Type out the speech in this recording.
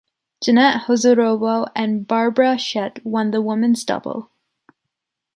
Janette Husárová and Barbara Schett won the women’s double.